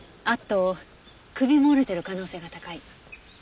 あと首も折れてる可能性が高い。